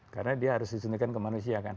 karena dia harus disuntikkan ke manusia kan